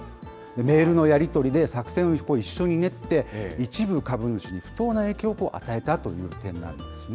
メールのやり取りで作戦を一緒に練って、一部株主に不当な影響を与えたということになるんですね。